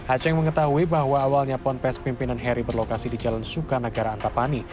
aceh mengetahui bahwa awalnya pondok pesantren pimpinan heri berlokasi di jalan suka nagara antapani